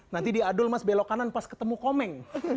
nanti di adull mas belok kanan pas ketemu komeng